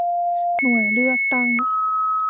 หน่วยเลือกตั้ง